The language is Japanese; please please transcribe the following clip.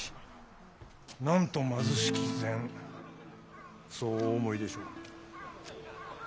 なんと貧しき膳そうお思いでしょう。